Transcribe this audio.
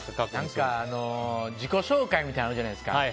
自己紹介みたいなのあるじゃないですか。